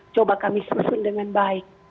coba kami susun dengan baik